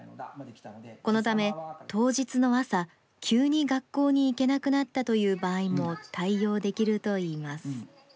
このため、当日の朝、急に学校に行けなくなったという場合も対応できるといいます。